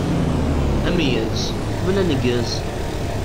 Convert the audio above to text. Ameyyez uqbel aneggez.